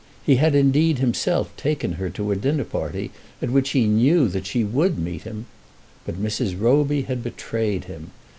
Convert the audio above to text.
He had indeed himself taken her to a dinner party at which he knew that she would meet him. But Mrs. Roby had betrayed him.